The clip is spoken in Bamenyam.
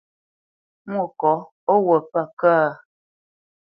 Mwôkɔ̌, ó wut pə̂ kə̂?